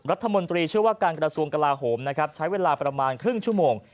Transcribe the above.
รัฐมนตรีเชื่อว่าการกระทรวงกลาโหมนะครับใช้เวลาประมาณครึ่งชั่วโมง